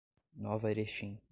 Nova Erechim